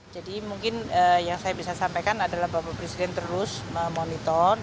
jadi mungkin yang saya bisa sampaikan adalah bapak presiden terus memonitor